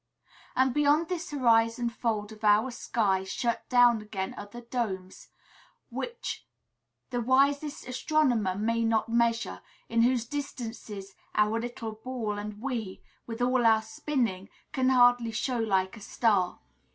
And beyond this horizon fold of our sky shut down again other domes, which the wisest astronomer may not measure, in whose distances our little ball and we, with all our spinning, can hardly show like a star.